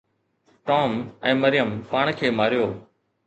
Tom ۽ Maryam پاڻ کي ماريو